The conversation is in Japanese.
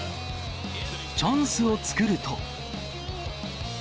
チャンスを作ると。